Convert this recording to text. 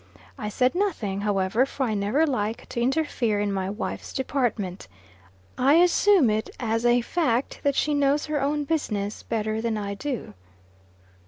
I said nothing, however, for I never like to interfere in my wife's department. I assume it as a fact that she knows her own business better than I do.